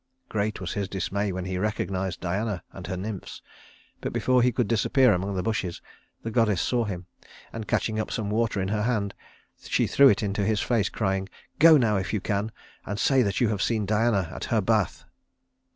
Great was his dismay when he recognized Diana and her nymphs; but before he could disappear among the bushes the goddess saw him, and catching up some water in her hand, she threw it into his face, crying: "Go now, if you can, and say that you have seen Diana at her bath."